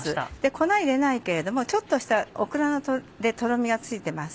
粉入れないけれどもちょっとしたオクラのとろみがついてます。